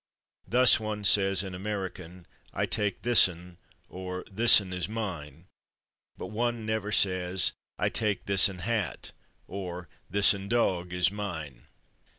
Thus, one says, in American, "I take /thisn/" or "/thisn/ is mine," but one never says "I take /thisn/ hat" or "/thisn/ dog is mine."